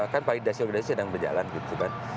kan pahid dasyo gresi sedang berjalan gitu kan